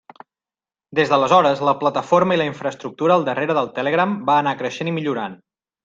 Des d'aleshores, la plataforma i la infraestructura al darrere del Telegram va anar creixent i millorant.